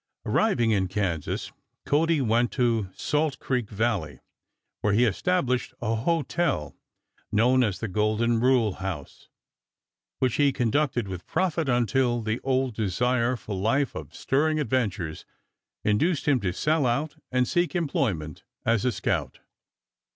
Arriving in Kansas Cody went to Salt Creek Valley, where he established a hotel known as the Golden Rule House, which he conducted with profit until the old desire for life of stirring adventures induced him to sell out and seek employment as a scout.